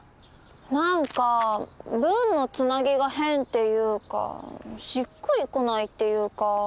何か文のつなぎが変っていうかしっくり来ないっていうか。